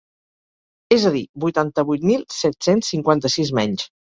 És a dir, vuitanta-vuit mil set-cents cinquanta-sis menys.